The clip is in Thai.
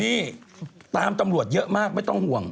นี่ตามตำรวจเยอะมากไม่ต้องห่วง